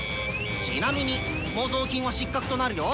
ちなみに模造品は失格となるよ！